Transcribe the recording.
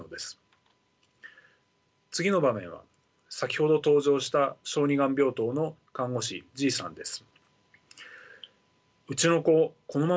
次の場面は先ほど登場した小児がん病棟の看護師Ｇさんです。